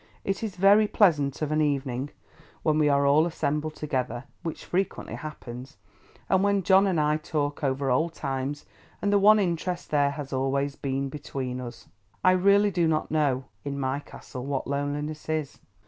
It is very pleasant of an evening, when we are all assembled together—which frequently happens—and when John and I talk over old times, and the one interest there has always been between us. I really do not know, in my Castle, what loneliness is.